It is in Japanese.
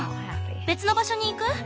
別の場所に行く？